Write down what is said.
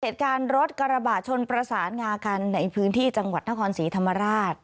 เหตุการณ์รถกระบะชนประสานงากันในพื้นที่จังหวัดนครศรีธรรมราช